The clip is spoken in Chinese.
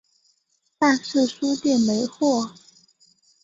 但是书店没货